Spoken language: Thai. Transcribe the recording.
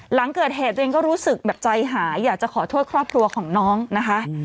หลังเกิดเหตุตัวเองก็รู้สึกแบบใจหายอยากจะขอโทษครอบครัวของน้องนะคะ